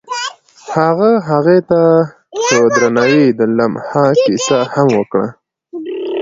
هغه هغې ته په درناوي د لمحه کیسه هم وکړه.